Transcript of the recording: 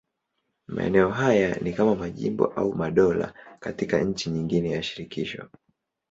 Maeneo haya ni kama majimbo au madola katika nchi nyingine ya shirikisho.